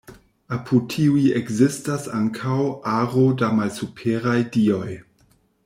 Apud tiuj ekzistas ankaŭ aro da malsuperaj dioj.